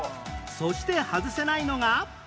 そして外せないのが